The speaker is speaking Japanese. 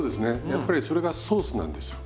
やっぱりそれがソースなんですよ